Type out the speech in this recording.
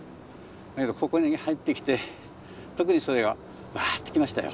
だけどここに入ってきて特にそれがワッと来ましたよ。